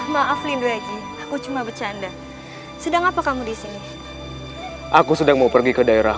maaf lindu aja aku cuma bercanda sedang apa kamu di sini aku sedang mau pergi ke daerah